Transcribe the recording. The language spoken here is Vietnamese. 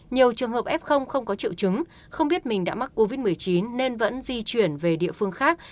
nhiều trường hợp f không có triệu chứng không biết mình đã mắc covid một mươi chín nên vẫn di chuyển về địa phương khác